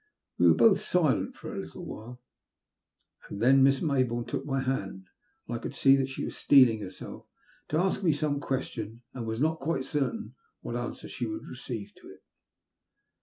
We were both silent for a little while, and then Miss Mayboume took my hand, and I could see that she was steeling herself to ask me some question, and was not quite certain what answer she would receive to it.